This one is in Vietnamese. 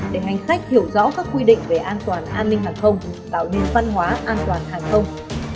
để hành khách hiểu rõ các quy định về an toàn an ninh hàng không tạo nên văn hóa an toàn hàng không